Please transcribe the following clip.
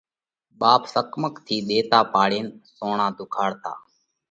ٻاپ سڪماق ٿِي ۮيوَتا پاڙينَ سوڻا ڌُوکاڙتا۔